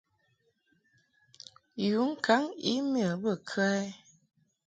Yu ŋkaŋ e-mail bə kə ɛ?